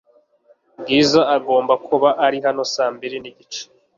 Bwiza agomba kuba ari hano saa mbiri nigice .